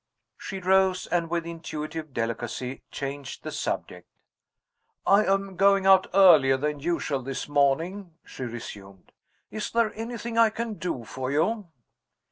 She rose, and, with intuitive delicacy, changed the subject. "I am going out earlier than usual this morning," she resumed. "Is there anything I can do for you?"